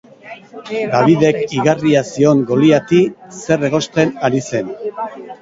Davidek igarria zion Goliati zer egosten ari zen.